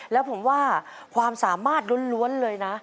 แล้วผมว่าความสามารถล้วนเลยนะ